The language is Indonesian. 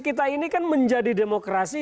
kita ini kan menjadi demokrasi